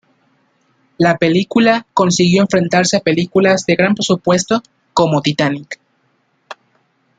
La película consiguió enfrentarse a películas de gran presupuesto como "Titanic".